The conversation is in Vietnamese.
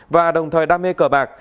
và đồng thời đam mê cờ bạc